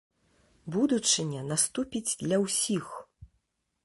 Будучыня наступіць для ўсіх.